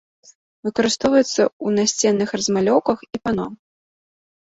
Выкарыстоўваецца ў насценных размалёўках і пано.